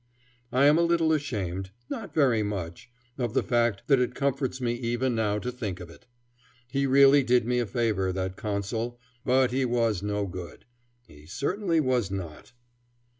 I am a little ashamed not very much of the fact that it comforts me even now to think of it. He really did me a favor, that Consul; but he was no good. He certainly was not.